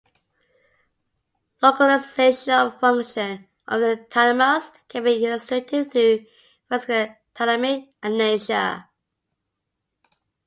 Localization of function of the thalamus can be illustrated through vascular thalamic amnesia.